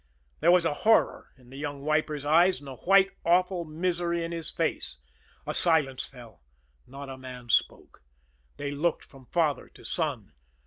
There was horror in the young wiper's eyes, and a white, awful misery in his face. A silence fell. Not a man spoke. They looked from father to son.